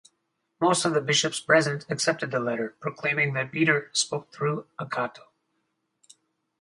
Most of the bishops present accepted the letter, proclaiming that Peter spoke through Agatho.